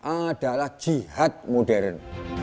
adalah jihad modern